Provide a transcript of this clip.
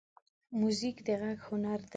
موزیک د غږ هنر دی.